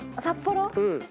札幌？